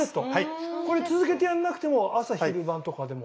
これ続けてやらなくても朝昼晩とかでも？